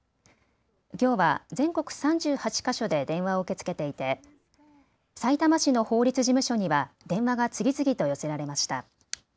きょうは全国３８か所で電話を受け付けていてさいたま市の法律事務所には電話が次々と寄せられました。